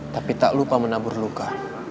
tapi tak lupa menabur luka